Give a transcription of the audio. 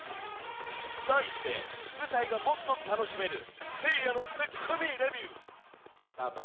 題して舞台がもっと楽しめるまずはこちらせいやのツッコミレビュー